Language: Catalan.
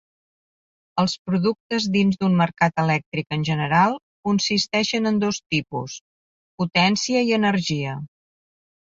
Els productes dins d'un mercat elèctric en general, consisteixen en dos tipus: potència i energia.